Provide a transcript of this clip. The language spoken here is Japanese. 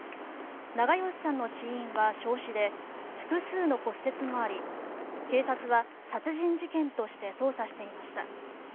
長葭さんの死因は焼死で複数の骨折があり警察は殺人事件として捜査していました。